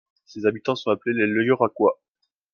Ses habitants sont appelés les Lieuracois.